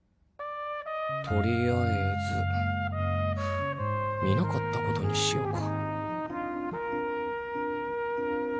とりあえず見なかったことにしようか。